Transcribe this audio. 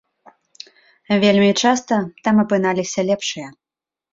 Вельмі часта там апыналіся лепшыя.